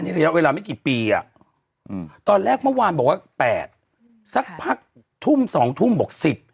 ระยะเวลาไม่กี่ปีอ่ะอืมตอนแรกเมื่อวานบอกว่า๘สักพักทุ่ม๒ทุ่มบอก๑๐